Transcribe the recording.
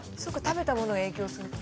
食べたもの影響するとか？